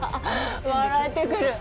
笑えてくる。